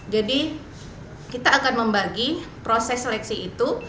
jadi kita akan membagi proses seleksi itu